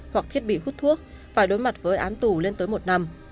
hoặc thiết bị hút thuốc phải đối mặt với án tù lên tới một năm